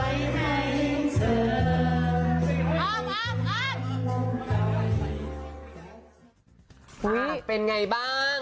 อุ้ยเป็นไงบ้าง